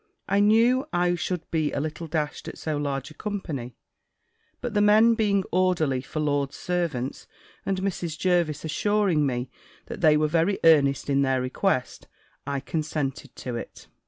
I knew I should be a little dashed at so large a company; but the men being orderly for lords' servants, and Mrs. Jervis assuring me that they were very earnest in their request, I consented to it.